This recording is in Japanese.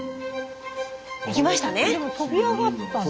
いきましたね！